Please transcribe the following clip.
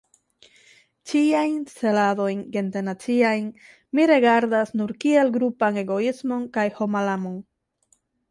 Ĉiajn celadojn gente-naciajn mi rigardas nur kiel grupan egoismon kaj hommalamon.